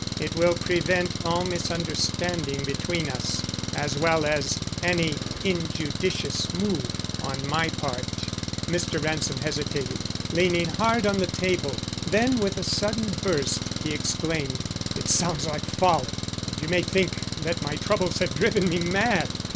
It will prevent all misunderstanding between us, as well as any injudicious move on my part." Mr. Ransom hesitated, leaning hard on the table; then, with a sudden burst, he exclaimed: "It sounds like folly, and you may think that my troubles have driven me mad.